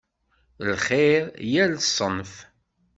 Lxir yal ṣṣenf.